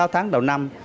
sáu tháng đầu năm